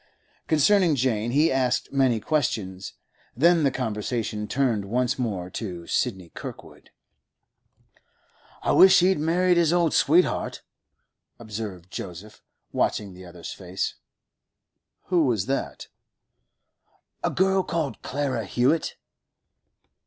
Concerning Jane he asked many questions; then the conversation turned once more to Sidney Kirkwood. 'I wish he'd married his old sweetheart,' observed Joseph, watching the other's face. 'Who was that?' 'A girl called Clara Hewett.